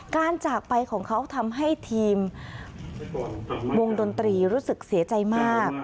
จากไปของเขาทำให้ทีมวงดนตรีรู้สึกเสียใจมาก